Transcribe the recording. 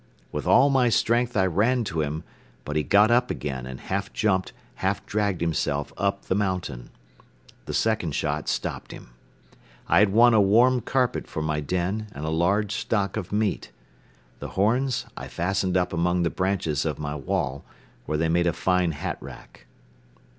With all my strength I ran to him but he got up again and half jumped, half dragged himself up the mountain. The second shot stopped him. I had won a warm carpet for my den and a large stock of meat. The horns I fastened up among the branches of my wall, where they made a fine hat rack.